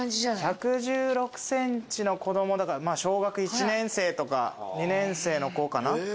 １１６ｃｍの子供だから小学１年生とか２年生の子かな。